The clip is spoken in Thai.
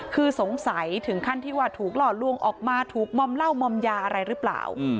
คือสงสัยถึงขั้นที่ว่าถูกหลอกลวงออกมาถูกมอมเหล้ามอมยาอะไรหรือเปล่า